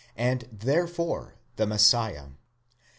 and therefore the Messiah.